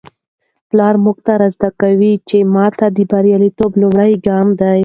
پلار موږ ته را زده کوي چي ماتې د بریالیتوب لومړی ګام دی.